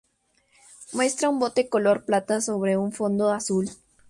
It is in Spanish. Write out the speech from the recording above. Muestra un bote color plata sobre un fondo azul.